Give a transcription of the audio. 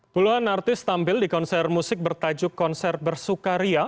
puluhan artis tampil di konser musik bertajuk konser bersukaria